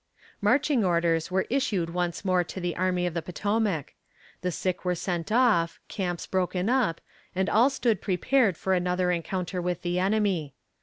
Marching orders were issued once more to the army of the Potomac. The sick were sent off, camps broken up, and all stood prepared for another encounter with the enemy.